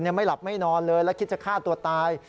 ไม่หลับไม่นอนเลยและคิดจะฆ่าตัวตาย